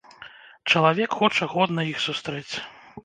Чалавек хоча годна іх сустрэць.